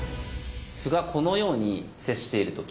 歩がこのように接している時。